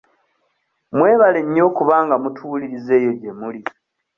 Mwebale nnyo okuba nga mutuwuliriza eyo gye muli.